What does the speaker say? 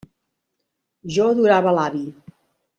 Jo adorava l'avi.